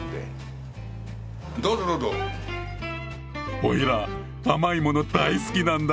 おいら甘いもの大好きなんだ。